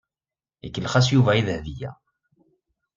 Ikellex-as Yuba i Dahbiya.